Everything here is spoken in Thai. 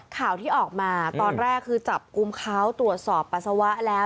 ข่าวที่ออกมาตอนแรกคือจับกลุ่มเขาตรวจสอบปัสสาวะแล้ว